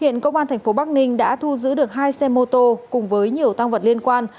hiện công an tp bắc ninh đã thu giữ được hai xe mô tô cùng với nhiều tăng vật liên quan